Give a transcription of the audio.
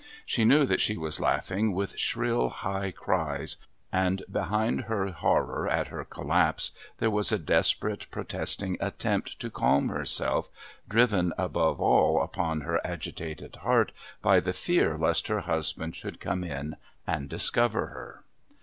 She knew that she was laughing with shrill high cries, and behind her horror at her collapse there was a desperate protesting attempt to calm herself, driven, above all, upon her agitated heart by the fear lest her husband should come in and discover her.